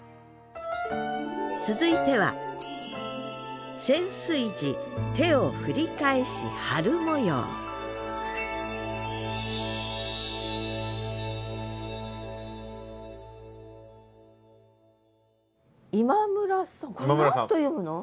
続いては今村さんこれ何と読むの？